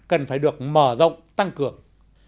cần phải được mở rộng tăng cường